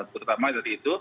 terutama dari itu